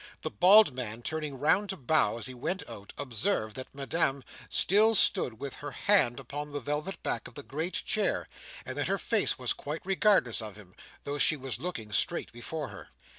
The bald man turning round to bow, as he went out, observed that Madame still stood with her hand upon the velvet back of the great chair, and that her face was quite regardless of him, though she was looking straight before her.